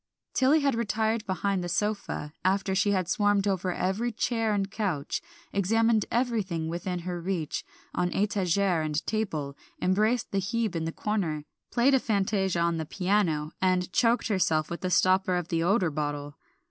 Tilly had retired behind the sofa, after she had swarmed over every chair and couch, examined everything within her reach, on étagère and table, embraced the Hebe in the corner, played a fantasia on the piano, and choked herself with the stopper of the odor bottle.